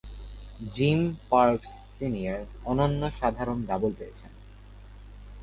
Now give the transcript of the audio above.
Gym Parks senior অনন্য সাধারণ double পেয়েছেন।